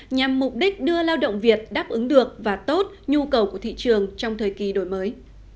nhằm mục đích đưa lao động việt đáp ứng được và tốt nhu cầu của thị trường trong thời kỳ đổi mới